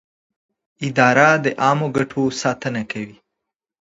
اداره د عامه ګټو ساتنه کوي.